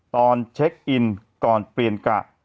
ตอนเช็คอินก่อนเปลี่ยนกะ